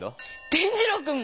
伝じろうくんも⁉